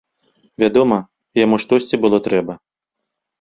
Вядома, яму штосьці было трэба.